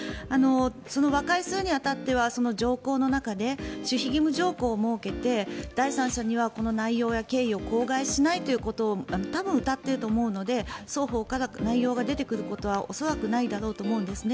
その和解するに当たっては条項の中で守秘義務条項を設けて第三者にはこの内容や経緯を口外しないということを多分、うたっていると思うので双方から内容が出てくることは恐らくないだろうと思うんです。